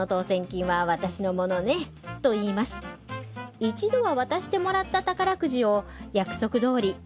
一度は渡してもらった宝くじを約束どおり分けてもらえないの？